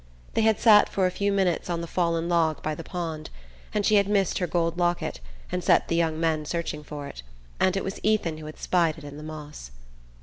They had sat for a few minutes on the fallen log by the pond, and she had missed her gold locket, and set the young men searching for it; and it was Ethan who had spied it in the moss....